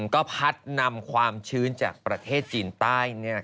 ก็พัดนำความชื้นจากประเทศจีนใต้